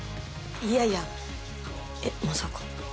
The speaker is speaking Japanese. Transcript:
いやいやえっまさか。